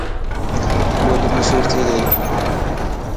ٻولي مشور ٿي گئي.